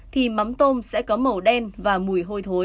thì mắm tôm sẽ có màu đen và mùi hôi thối